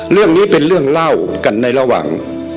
เรื่องนี้เป็นเรื่องเล่ากันในระหว่าง